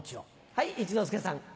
はい一之輔さん。